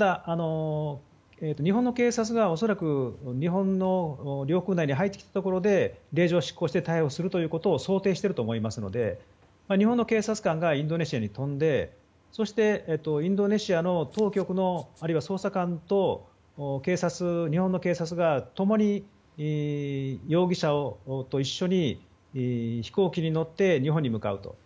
日本の警察が恐らく日本の領空内に入ってきたところで令状を執行して逮捕することを想定していると思いますので日本の警察官がインドネシアに飛んでそしてインドネシア当局のあるいは捜査官と日本の警察が共に容疑者と一緒に飛行機に乗って日本に向かうと。